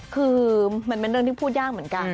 คือมันเป็นเรื่องที่พูดยากเหมือนกัน